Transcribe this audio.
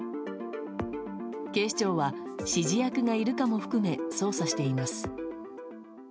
警視庁は指示役がいるかも含め捜査しています。